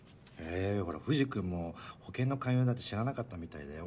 ほら藤君も保険の勧誘だって知らなかったみたいだよ。